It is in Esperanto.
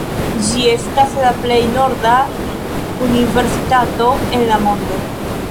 Ĝi estas la plej norda universitato en la mondo.